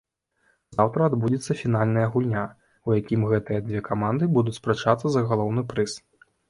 Заўтра адбудзецца фінальная гульня, у якім гэтыя дзве каманды будуць спрачацца за галоўны прыз.